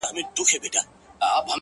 ستا په لاس کي د گلونو فلسفې ته;